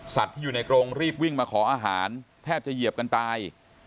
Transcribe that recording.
ที่อยู่ในกรงรีบวิ่งมาขออาหารแทบจะเหยียบกันตาย